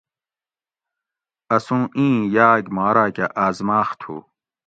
اسوں اِین یاگ ما راۤکہ آزماخ تھو